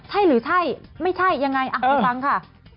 ใช่หรือใช่ไม่ใช่ยังไงอ่ะพี่ปังค่ะ